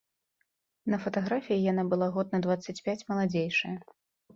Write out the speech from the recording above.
На фатаграфіі яна была год на дваццаць пяць маладзейшая.